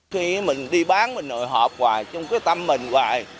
khi mình đi bán mình nội hộp hoài chung cái tâm mình hoài